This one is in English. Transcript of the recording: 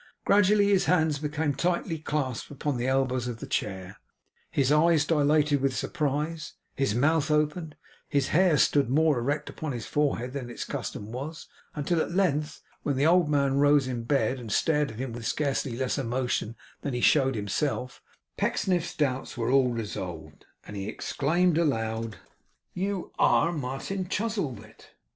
Gradually his hands became tightly clasped upon the elbows of the chair, his eyes dilated with surprise, his mouth opened, his hair stood more erect upon his forehead than its custom was, until, at length, when the old man rose in bed, and stared at him with scarcely less emotion than he showed himself, the Pecksniff doubts were all resolved, and he exclaimed aloud: 'You ARE Martin Chuzzlewit!